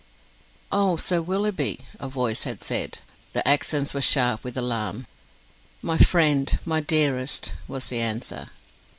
"Oh! Sir Willoughby," a voice had said. The accents were sharp with alarm. "My friend! my dearest!" was the answer.